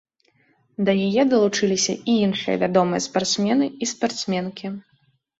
Да яе далучыліся і іншыя вядомыя спартсмены і спартсменкі.